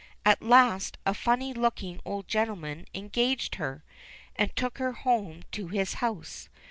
At last a funny looking old gentleman engaged her, and took her home to his house.